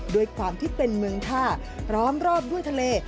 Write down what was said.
ด้วยความที่เป็นเมืองท่าพร้อมรอบด้วยทะเล